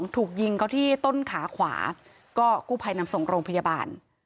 ถูกยิงเขาที่ต้นขาขวาก็กู้ภัยนำส่งโรงพยาบาล